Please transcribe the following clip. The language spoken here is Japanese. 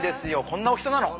こんな大きさなの。